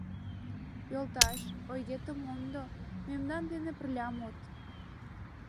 Йолташ, ойгетым мондо, мемнан дене пырля мод!